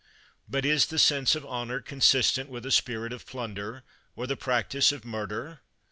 But is the sense of honor consistent with a spirit of plunder, or the practise of murder?